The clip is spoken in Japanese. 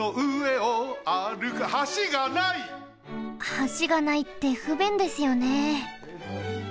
橋がないってふべんですよね。